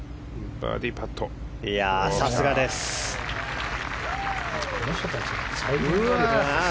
さすがです。